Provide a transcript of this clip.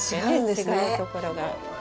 違うところが。